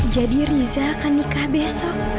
jadi riza akan nikah besok